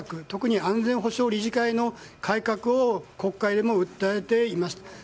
特に安全保障理事会の改革を国会でも訴えていました。